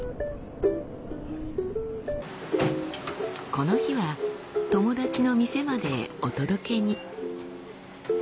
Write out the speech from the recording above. この日は友達の店までお届けに。